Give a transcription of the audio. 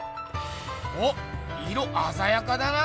おっ色あざやかだな